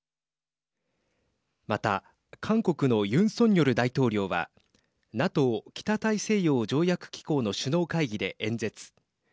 また、韓国のユン・ソンニョル大統領はＮＡＴＯ＝北大西洋条約機構の首脳会議で演説。